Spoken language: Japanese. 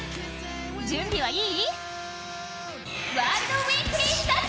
準備はいい？